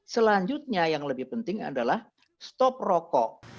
selanjutnya yang lebih penting adalah stop rokok